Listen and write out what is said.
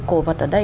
cổ vật ở đây